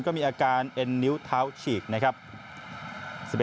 ก็มีอาการเอ็นนิ้วเท้าฉีกนะครับ